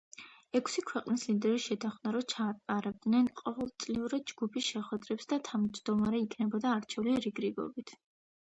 ექვსი ქვეყნის ლიდერი შეთანხმდა რომ ჩაატარებდნენ ყოველწლიურად ჯგუფის შეხვედრებს და თავმჯდომარე იქნებოდა არჩეული რიგ-რიგობით.